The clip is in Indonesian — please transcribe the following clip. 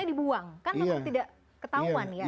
itu juga tidak tahu